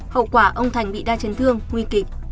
hậu quả ông thành bị đa chấn thương nguy kịch